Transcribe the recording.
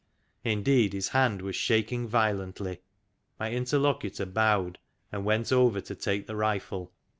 Indeed his hand was shaking violently. My interlocutor bowed, and went over to take the rifle.